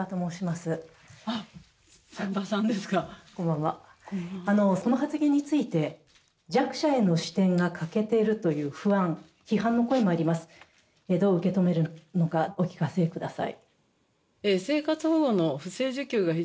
この発言について、弱者への視点が欠けているという不安、批判の声もあります、どう受け止めるのか、お聞かせください。